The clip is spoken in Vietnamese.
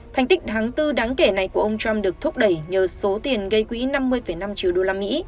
thành tích tháng bốn đáng kể này của ông trump được thúc đẩy nhờ số tiền gây quỹ năm mươi năm triệu đô la mỹ